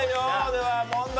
では問題